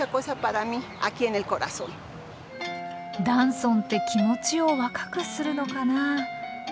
ダンソンって気持ちを若くするのかな。